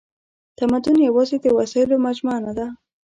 تمدن یواځې د وسایلو مجموعه نهده.